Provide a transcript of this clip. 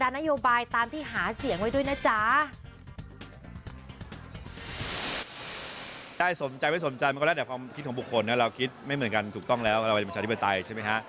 นี่เหมือนกันถูกต้องแล้วเราอยู่ในประชาธิบดาลไทยใช่ไหมคะ